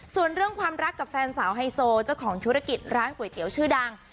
ส่วนเรื่องความรักกับแฟนสาวไฮโซเจ้าของธุรกิจร้านก๋วยเตี๋ยวชื่อดัง